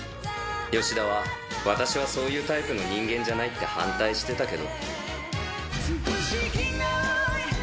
吉田は、私はそういうタイプの人間じゃないって反対してたけど。